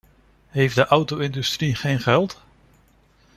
Heeft de auto-industrie geen geld?